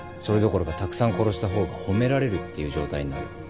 それどころかたくさん殺した方が褒められるっていう状態になる。